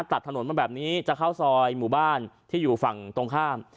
ตัดถนนมาแบบนี้จะเข้าซอยหมู่บ้านที่อยู่ฝั่งตรงข้าม